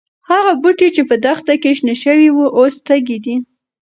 هغه بوټي چې په دښته کې شنه شوي وو، اوس تږي دي.